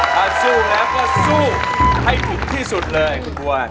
ถ้าสู้แล้วก็สู้ให้ถึงที่สุดเลยคุณทัวร์